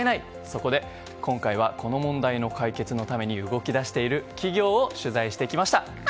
そこで、今回はこの問題の解決のために動き出している企業を取材してきました。